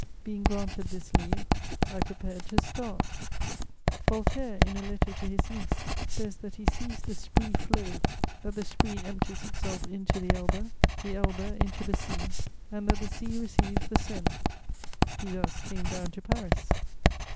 Being granted this leave, I prepared to start: Voltaire, in a letter to his niece, says that he sees the Spree flow, that the Spree empties itself into the Elbe, the Elbe into the sea, and that the sea receives the Seine; he thus came down to Paris.